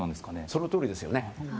そのとおりですね。